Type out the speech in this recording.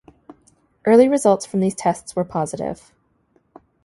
Early results from these tests were positive.